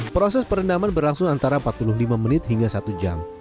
proses perendaman berlangsung antara empat puluh lima menit hingga satu jam